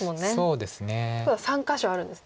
そうですね。ということは３か所あるんですね。